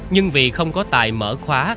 nhưng vì không có tài mở khóa